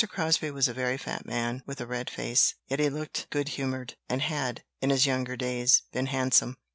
Crosbie was a very fat man, with a red face, yet he looked good humoured, and had, in his younger days, been handsome.